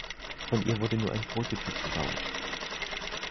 Von ihr wurde nur ein Prototyp gebaut.